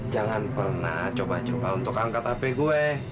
jangan pernah coba coba untuk angkat hp gue